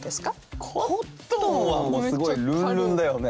「コットン」はもうすごいルンルンだよね。